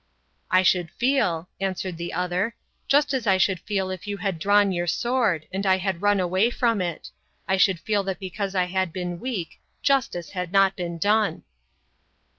"I should feel," answered the other, "just as I should feel if you had drawn your sword, and I had run away from it. I should feel that because I had been weak, justice had not been done."